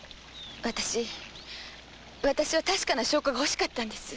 私確かな証拠が欲しかったんです。